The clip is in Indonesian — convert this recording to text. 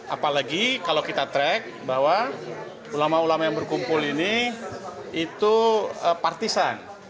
apalagi kalau kita track bahwa ulama ulama yang berkumpul ini itu partisan